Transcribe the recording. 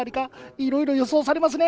いろいろ予想されますね。